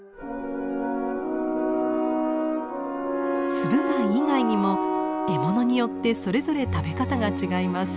ツブ貝以外にも獲物によってそれぞれ食べ方が違います。